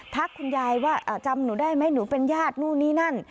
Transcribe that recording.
คุณยายว่าจำหนูได้ไหมหนูเป็นญาตินู่นนี่นั่น